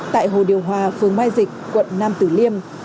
tại hồ điều hòa phương mai dịch quận nam tử liêm